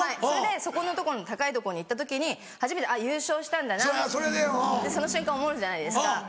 それでそこの所の高い所に行った時に初めてあっ優勝したんだなってその瞬間思うじゃないですか。